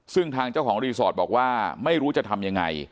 ซึ่งทางเจ้าของรีสอร์ทบอกว่าไม่รู้จะทำยังไง